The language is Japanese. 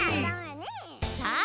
さあ